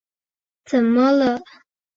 怎么了？